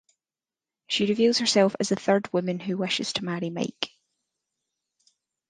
She reveals herself as the third woman who wishes to marry Mike.